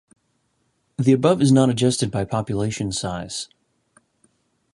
The above is not adjusted by population size.